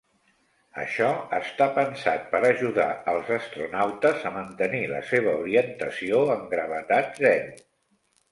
Això està pensat per ajudar els astronautes a mantenir la seva orientació en gravetat zero.